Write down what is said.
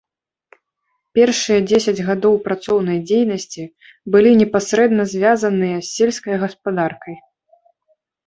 Першыя дзесяць гадоў працоўнай дзейнасці былі непасрэдна звязаныя з сельскай гаспадаркай.